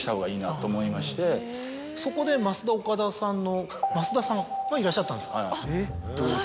そこでますだおかださんの増田さんがいらっしゃったんですか。